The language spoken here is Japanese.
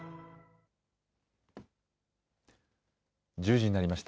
１０時になりました。